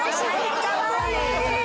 かわいい！